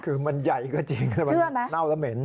คือมันใหญ่ก็จริงแต่มันเน่าแล้วเหม็น